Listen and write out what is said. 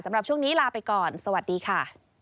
สำหรับช่วงนี้ลาไปก่อนสวัสดีค่ะ